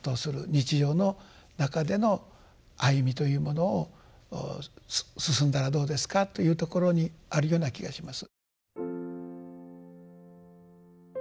日常の中での歩みというものを進んだらどうですかというところにあるような気がします。